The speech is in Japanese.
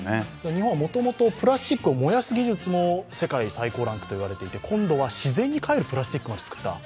日本はもともとプラスチックを燃やす技術も世界最高と言われていて今度は自然に還るプラスチックも作った。